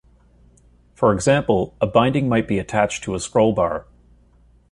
For example, a binding might be attached to a scroll bar.